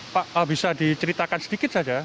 pak bisa diceritakan sedikit saja